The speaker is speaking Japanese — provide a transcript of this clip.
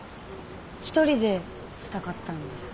一人でしたかったんです。